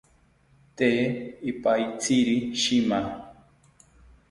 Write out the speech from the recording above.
Tee ipaitziri shima